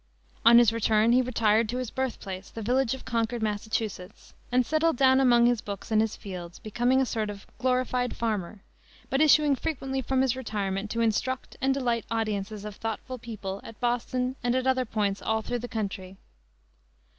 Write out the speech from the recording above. On his return he retired to his birthplace, the village of Concord, Massachusetts, and settled down among his books and his fields, becoming a sort of "glorified farmer," but issuing frequently from his retirement to instruct and delight audiences of thoughtful people at Boston and at other points all through the country.